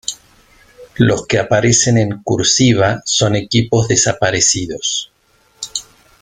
Los que aparecen en "cursiva" son equipos desaparecidos.